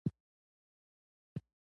سندره د ادب یو بڼه ده